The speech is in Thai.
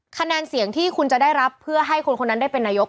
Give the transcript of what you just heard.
คะแนนเสียงที่คุณจะได้รับเพื่อให้คนคนนั้นได้เป็นนายก